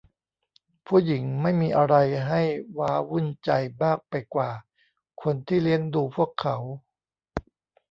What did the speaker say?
ผู้หญิงไม่มีอะไรให้ว้าวุ่นใจมากไปกว่าคนที่เลี้ยงดูพวกเขา